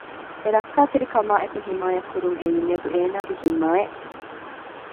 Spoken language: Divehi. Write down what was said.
އެ ރައްކަތެރިކަމާއެކު ހިމާޔަތް ކުރުން އެއީ މިއަދު އޭނާގެ ޒިންމާއެއް